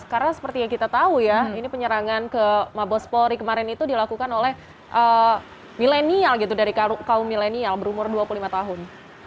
karena seperti yang kita tahu ya penyerangan ke mabos polri kemarin itu dilakukan oleh milenial dari kaum milenial berumur dua puluh lima tahun